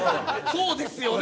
そうですよね！